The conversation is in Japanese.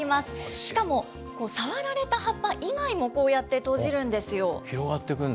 しかも、触られた葉っぱ以外もこうやって閉じるんですよ。